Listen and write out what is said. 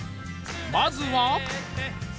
まずは